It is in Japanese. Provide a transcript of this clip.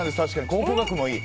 考古学もいい。